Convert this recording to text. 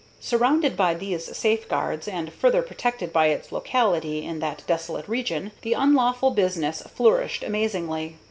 Surrounded by these safeguards, and further protected by its locality in that desolate region, the unlawful business flourished amazingly.